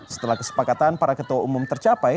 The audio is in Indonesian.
setelah kesepakatan para ketua umum tercapai